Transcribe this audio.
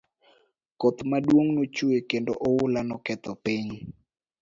Koth maduong' nochwe kendo ohula noketho piny.